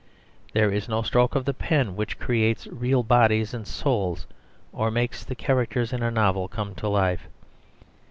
There is no stroke of the pen which creates real bodies and souls, or makes the characters in a novel come to life.